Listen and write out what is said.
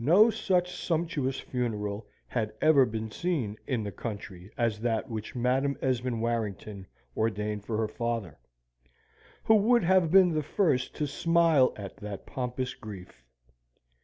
No such sumptuous funeral had ever been seen in the country as that which Madam Esmond Warrington ordained for her father, who would have been the first to smile at that pompous grief.